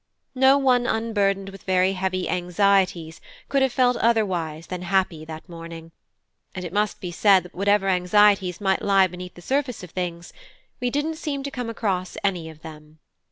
No one unburdened with very heavy anxieties could have felt otherwise than happy that morning: and it must be said that whatever anxieties might lie beneath the surface of things, we didn't seem to come across any of them.